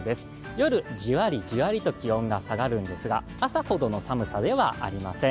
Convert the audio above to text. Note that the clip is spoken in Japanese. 夜、じわりじわりと気温が下がるんですが朝ほどの寒さではありません。